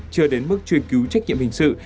chưa đến mức truyền cứu trách nhiệm hình sự